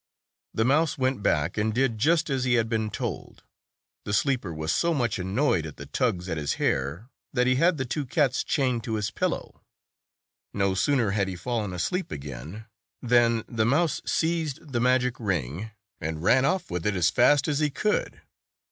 The mouse went back, and did just as he had been told. The sleeper was so much annoyed at the tugs at his hair, that he had the two cats chained to his pillow. No sooner had he fallen asleep again, than the mouse seized the magic ring, and ran off with it as fast as he could.